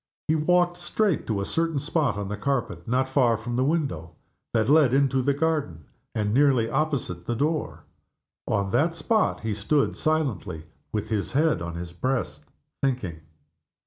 He walked straight to a certain spot on the carpet, not far from the window that led into the garden, and nearly opposite the door. On that spot he stood silently, with his head on his breast thinking.